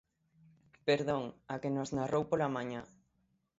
Perdón, a que nos narrou pola mañá.